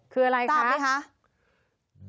คืออะไรครับ